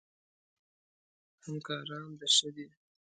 همکاران د ښه دي؟